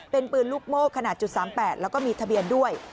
เป็นปืนลูกโม่ขนาด๓๘แล้วก็มีทะเบียนด้วย